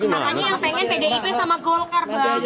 makanya yang pengen pdip sama golkar bang